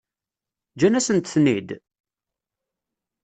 Ǧǧan-asent-ten-id?